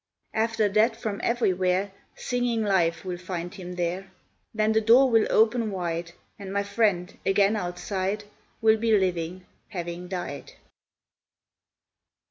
After that from everywhere Singing life will find him there; Then the door will open wide, And my friend, again outside, Will be living, having died.